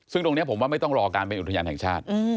ซึ่งตรงนี้ผมว่าไม่ต้องรอการเป็นอุทยานแห่งชาติ